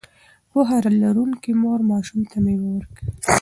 پوهه لرونکې مور ماشوم ته مېوه ورکوي.